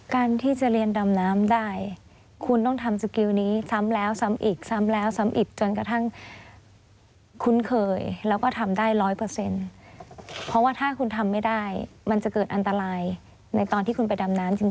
การที่จะเรียนดำน้ำได้คุณต้องทำสกิลนี้ซ้ำแล้วซ้ำอีกซ้ำแล้วซ้ำอีกจนกระทั่งคุ้นเคยแล้วก็ทำได้ร้อยเปอร์เซ็นต์เพราะว่าถ้าคุณทำไม่ได้มันจะเกิดอันตรายในตอนที่คุณไปดำน้ำจริง